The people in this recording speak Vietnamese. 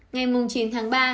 ngày chín tháng ba